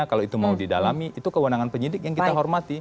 kalau itu mau didalami itu kewenangan penyidik yang kita hormati